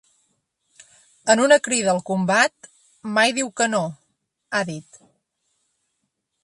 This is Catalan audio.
En una crida al combat, mai diu que no, ha dit.